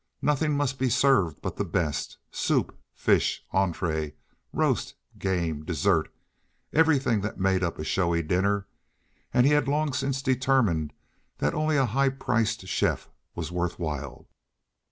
Nothing must be served but the best—soup, fish, entree, roast, game, dessert—everything that made up a showy dinner and he had long since determined that only a high priced chef was worth while.